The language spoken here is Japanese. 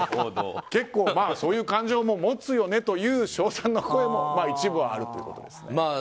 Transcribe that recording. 結構、そういう感情も持つよねという称賛の声も一部はあるということです。